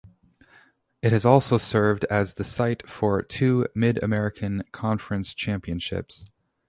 It has also served as the site for two Mid-American Conference Championships.